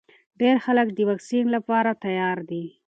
ډېر خلک د واکسین لپاره تیار دي.